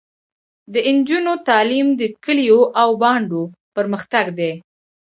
د نجونو تعلیم د کلیو او بانډو پرمختګ دی.